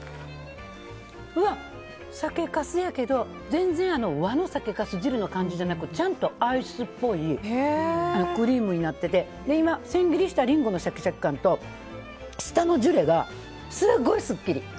酒かすやけど、全然和の酒かす汁の感じじゃなくちゃんとアイスっぽいクリームになってて千切りしたリンゴのシャキシャキ感と下のジュレがすごいすっきり。